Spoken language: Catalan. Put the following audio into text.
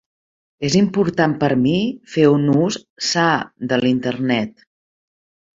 És important per mi fer un ús sa de l'Internet.